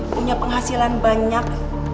punya penghasilan banyak